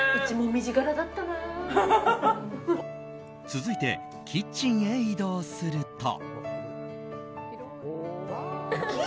続いてキッチンへ移動すると。